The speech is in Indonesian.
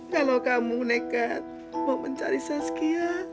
kalau kamu nekat mau mencari saskia